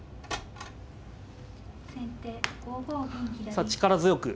さあ力強く。